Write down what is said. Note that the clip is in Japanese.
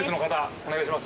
お願いします。